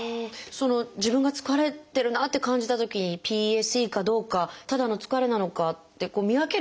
自分が疲れてるなって感じたときにＰＥＳＥかどうかただの疲れなのかって見分ける方法っていうのはあるんですか？